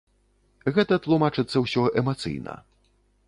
Гэта тлумачыцца ўсё эмацыйна.